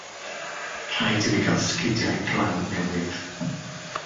Rhaid i mi gael sgidiau glaw newydd.